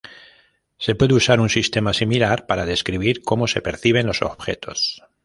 Se puede usar un sistema similar para describir cómo se perciben los objetos.